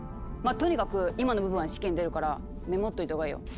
まあとにかく今の部分は試験に出るからメモっといたほうがいいよ。